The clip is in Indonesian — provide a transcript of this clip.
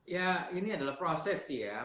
ya ini adalah proses sih ya